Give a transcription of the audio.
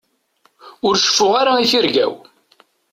Ur ceffuɣ ara i tirga-w.